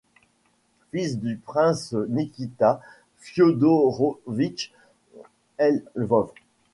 Fils du prince Nikita Fiodorovitch Lvov.